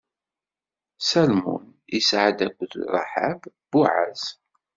Salmun isɛa-d akked Raḥab Buɛaz.